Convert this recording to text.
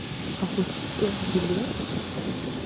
Ахәыҷтәы билеҭ?